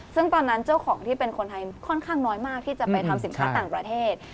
ซึ่งตอนนั้นเจ้าของที่เป็นคนไทยค่อนข้างน้อยมากที่จะไปทำสินค้าต่างประเทศ